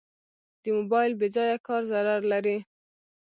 د موبایل بېځایه کار ضرر لري.